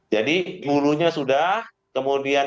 jadi mulunya sudah kemudian